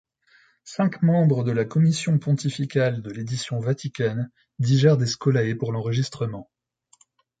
Cinq membres de la commission pontificale de l'Édition Vaticane dirigèrent des scholæ pour l'enregistrement.